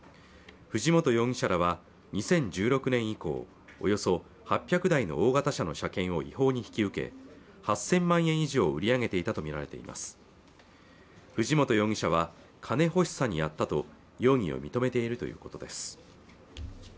藤本容疑者らは２０１６年以降およそ８００台の大型車の車検を違法に引き受け８０００万円以上を売り上げていたと見られています藤本容疑者は金欲しさにやったと容疑を認めているということです